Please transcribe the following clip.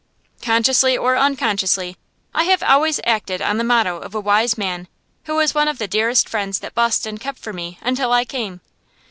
Consciously or unconsciously, I have always acted on the motto of a wise man who was one of the dearest friends that Boston kept for me until I came.